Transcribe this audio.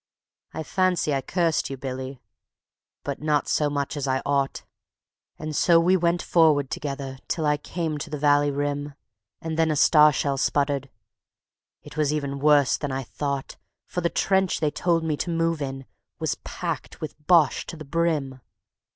I fancy I cursed you, Billy; but not so much as I ought! And so we went forward together, till we came to the valley rim, And then a star shell sputtered ... it was even worse than I thought, For the trench they told me to move in was packed with Boche to the brim.